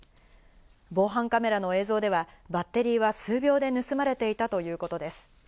防犯カメラの映像ではバッテリーは数秒で盗まれていたということです。